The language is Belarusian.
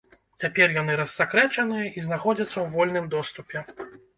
Цяпер яны рассакрэчаныя і знаходзяцца ў вольным доступе.